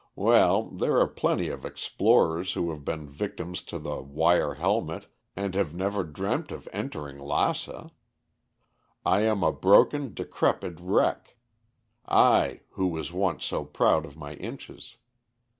Well, there are plenty of explorers who have been victims to the wire helmet and have never dreamt of entering Lassa. I am a broken, decrepit wreck, I who was once so proud of my inches.